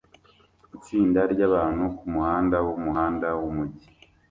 Itsinda ryabantu kumuhanda wumuhanda wumujyi